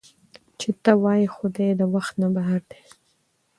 چې تۀ وائې خدائے د وخت نه بهر دے